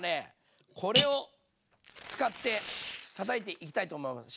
これを使ってたたいていきたいと思います。